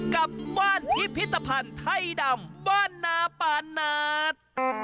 กับบ้านพิพิธภัณฑ์ไทยดำบ้านนาปานาศ